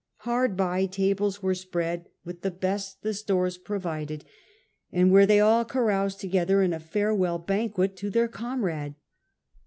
Hard by, tables were spread with the 74 S/Id FRANCIS DRAKE chap. best the stores provided, and there they all caroused together in a farewell banquet to their comrade.